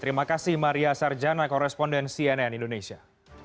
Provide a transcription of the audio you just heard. terima kasih maria sarjana koresponden cnn indonesia